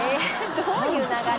どういう流れ？